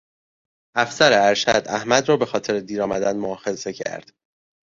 افسر ارشد احمد را به خاطر دیر آمدن مواخذه کرد.